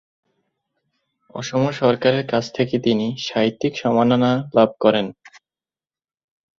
অসম সরকার এর কাছ থেকে তিনি সাহিত্যিক সম্মাননা লাভ করেন।